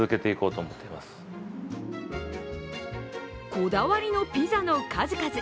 こだわりのピザの数々。